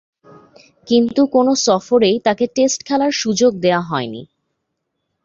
কিন্তু কোন সফরেই তাকে টেস্ট খেলার সুযোগ দেয়া হয়নি।